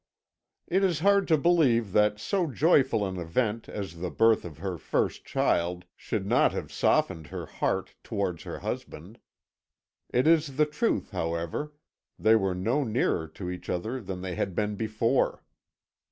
"It is hard to believe that so joyful an event as the birth of her first child should not have softened her heart towards her husband. It is the truth, however; they were no nearer to each other than they had been before.